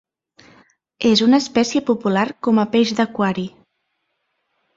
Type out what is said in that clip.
És una espècie popular com a peix d'aquari.